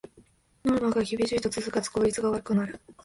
ノルマが厳しいと続かず効率が悪くなる